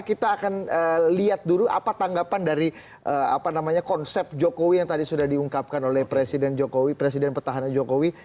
kita akan lihat dulu apa tanggapan dari konsep jokowi yang tadi sudah diungkapkan oleh presiden jokowi presiden petahana jokowi